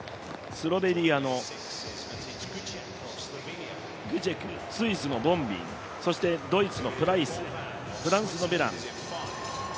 スロベニアのグチェク、スイスのボンビンそして、ドイツのプライスフランスのベラン。